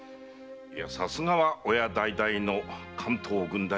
さすがは親代々の関東郡代。